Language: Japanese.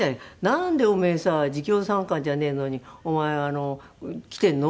「なんでお前さ授業参観じゃねえのにお前来てんの？」